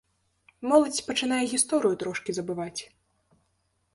Моладзь пачынае гісторыю трошкі забываць.